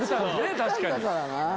確かに。